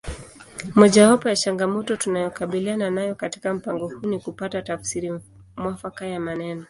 Mojawapo ya changamoto tunayokabiliana nayo katika mpango huu ni kupata tafsiri mwafaka ya maneno